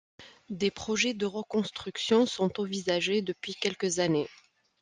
Des projets de reconstruction sont envisagés depuis quelques années.